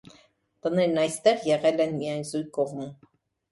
Տներն այստեղ եղել են միայն զույգ կողմում։